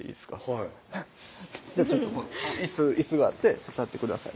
はいちょっといすがあって立ってください